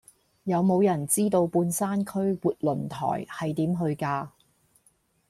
有無人知道半山區活倫台係點去㗎